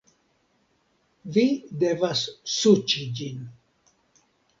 Vi devas suĉi ĝin